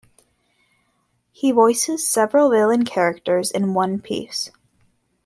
He voices several villain characters in "One Piece".